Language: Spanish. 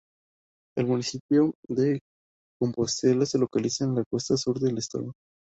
El municipio de Compostela se localiza en la costa "sur" del estado.